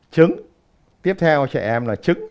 trứng tiếp theo trẻ em là trứng